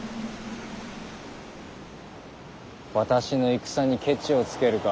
私の戦にケチをつけるか。